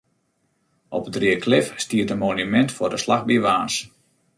Op it Reaklif stiet in monumint foar de slach by Warns.